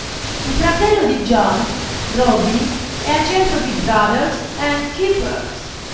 Il fratello di John, Robbie, è al centro di "Brothers and Keepers".